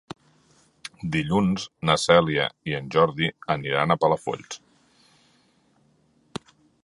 Dilluns na Cèlia i en Jordi aniran a Palafolls.